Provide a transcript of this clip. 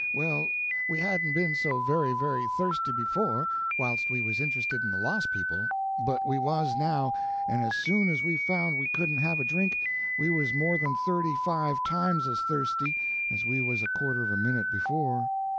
Well, we hadn't been so very, very thirsty before, while we was interested in the lost people, but we was now, and as soon as we found we couldn't have a drink, we was more than thirty five times as thirsty as we was a quarter of a minute before.